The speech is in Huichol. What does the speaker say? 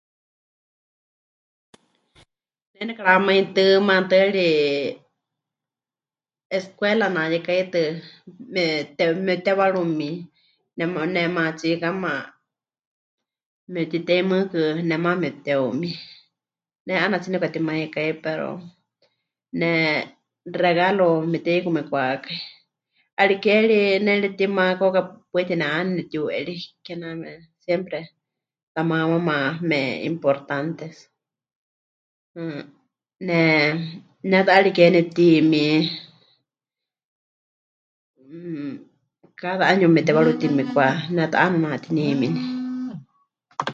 Ne nekaramaitɨ́ maatɨari, escuela ne'ayekaitɨ, me... te... mepɨtewarumi, nema... nemaatsikama memɨtitei mɨɨkɨ nemaama mepɨteumi, ne 'aana 'aatsí nepɨkatimaikái pero ne... regalo mepɨte'ikumikwákai, 'ariké ri nepɨretima kauka paɨ tine'ane nepɨtiu'eri, kename siempre tamaamáma me'importantes, mmm. Ne... ne ta 'ariké nepɨtimi, mmm, cada año memɨtewarutimikwa, ne ta 'aana natinimini.